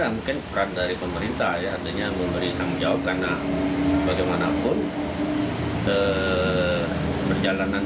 mungkin peran dari pemerintah ya adanya memberi tanggung jawab karena bagaimanapun ke perjalanan